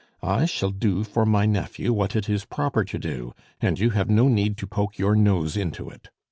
I shall do for my nephew what it is proper to do, and you have no need to poke your nose into it.